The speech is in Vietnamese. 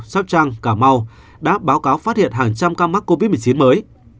sóc trăng cà mau đã báo cáo phát hiện hàng trăm ca mắc covid một mươi chín mới